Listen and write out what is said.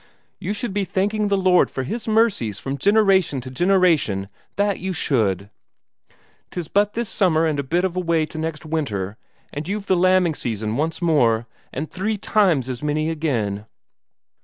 You should be thanking the Lord for His mercies from generation to generation, that you should. 'Tis but this summer and a bit of a way to next winter, and you've the lambing season once more, and three times as many again."